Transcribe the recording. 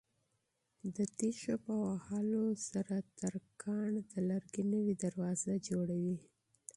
د تېشو په وهلو سره ترکاڼ د لرګي نوې دروازه جوړوي.